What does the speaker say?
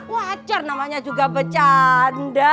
wajar namanya juga bercanda